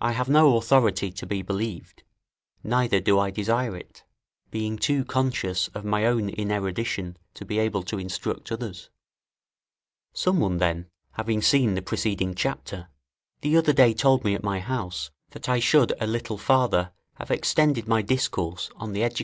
I have no authority to be believed, neither do I desire it, being too conscious of my own inerudition to be able to instruct others. Some one, then, having seen the preceding chapter, the other day told me at my house, that I should a little farther have extended my discourse on the education of children.